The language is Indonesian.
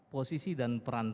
posisi dan peran